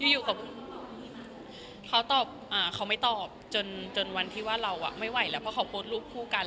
อยู่กับเขาไม่ตอบจนจนวันที่ว่าเราไม่ไหวแล้วเพราะเขาโพสต์รูปคู่กัน